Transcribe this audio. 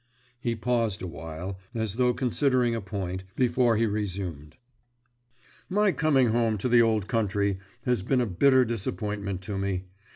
He paused awhile, as though considering a point, before he resumed. "My coming home to the old country has been a bitter disappointment to me.